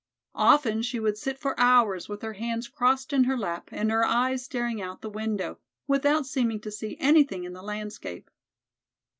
Often she would sit for hours with her hands crossed in her lap and her eyes staring out the window, without seeming to see anything in the landscape.